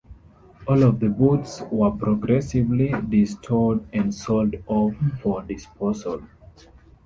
All of the boats were progressively de-stored and sold off for disposal.